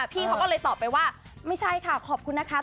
พี่เขาก็เลยตอบไปว่าไม่ใช่ค่ะขอบคุณนะคะ